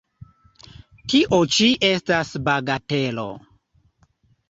Tio ĉi estas bagatelo!